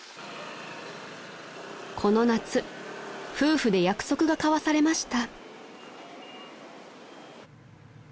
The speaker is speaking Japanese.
［この夏夫婦で約束が交わされました］